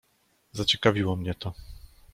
"Zaciekawiło mnie to."